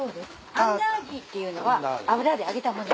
アンダーギーっていうのは油で揚げたもの。